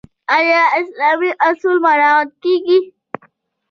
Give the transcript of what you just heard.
آیا اسلامي اصول مراعات کیږي؟